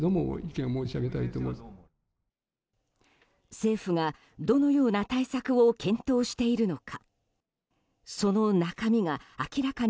政府がどのような対策を検討しているのか。